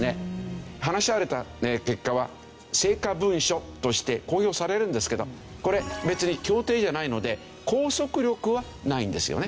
話し合われた結果は成果文書として公表されるんですけどこれ別に協定じゃないので拘束力はないんですよね。